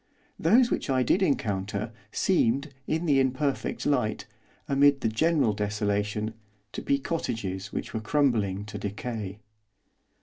Those which I did encounter, seemed, in the imperfect light, amid the general desolation, to be cottages which were crumbling to decay.